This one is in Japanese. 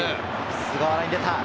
菅原に出た。